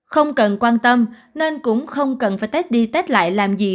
không cần quan tâm nên cũng không cần phải test đi test lại làm gì